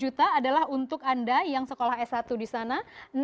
dua puluh juta adalah untuk anda yang sekolah s satu di sana